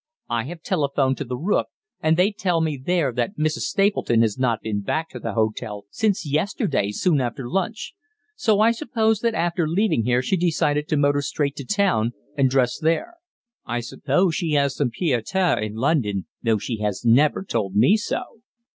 I have telephoned to 'The Rook,' and they tell me there that Mrs. Stapleton has not been back to the hotel since yesterday soon after lunch. So I suppose that after leaving here she decided to motor straight to town, and dress there. I suppose she has some pied à terre in London, though she has never told me so."